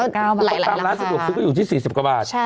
ตามร้านสะดวกซื้อก็อยู่ที่๔๐กว่าบาท